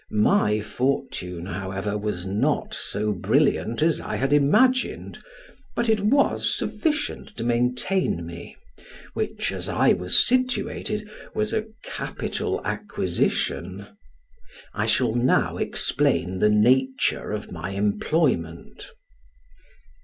My fortune, however, was not so brilliant as I had imagined, but it was sufficient to maintain me, which, as I was situated, was a capital acquisition. I shall now explain the nature of my employment.